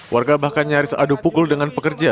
warga bahkan nyaris adu pukul dengan pekerja